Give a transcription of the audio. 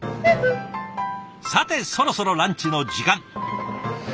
さてそろそろランチの時間。